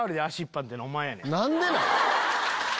何でなん？